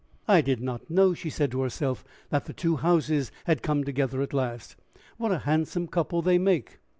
"I did not know," she said to herself, "that the two houses had come together at last! What a handsome couple they make!"